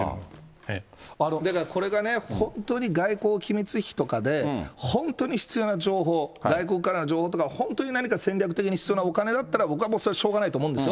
だからこれがね、本当に外交機密費とかで、本当に必要な情報、外国からの情報っていうのは、本当に何か戦略的に必要なお金だったら、僕はもうそれはしようがないと思うんですよ。